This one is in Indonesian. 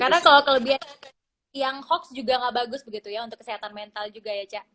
karena kalau kelebihan yang hoax juga gak bagus begitu ya untuk kesehatan mental juga ya cak